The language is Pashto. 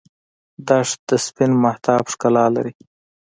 دښته د سپین مهتاب ښکلا لري.